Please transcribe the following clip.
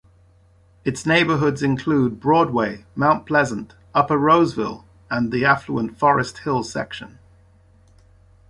Its neighborhoods include Broadway, Mount Pleasant, Upper Roseville and the affluent Forest Hill section.